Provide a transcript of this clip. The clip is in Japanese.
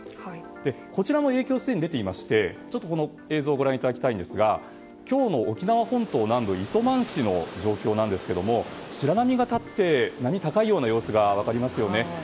こちらも影響がすでに出ていまして映像をご覧いただきたいですが今日の沖縄本島南部糸満市の状況なんですが白波が立って波が高い様子が分かりますよね。